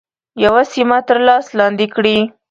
یوه سیمه تر لاس لاندي کړي.